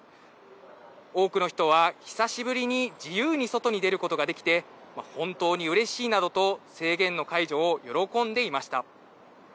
多くの人は久しぶりに自由に外に出ることができて、本当にうれしいなどと制限の解除を喜んでいました。